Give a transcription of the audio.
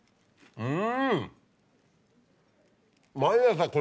うん！